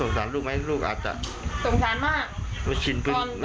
ตอนเอาไปไม่รู้ว่าไม่ทราบว่าจะร้องอยู่หรือเปล่า